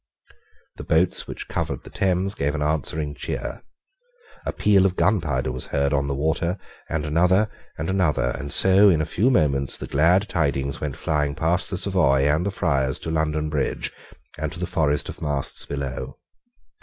The boats which covered the Thames, gave an answering cheer. A peal of gunpowder was heard on the water, and another, and another; and so, in a few moments, the glad tidings went flying past the Savoy and the Friars to London Bridge, and to the forest of masts below.